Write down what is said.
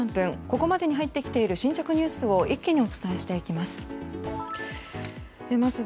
ここまでに入ってきている新着ニュースを一気にお伝えしていきます。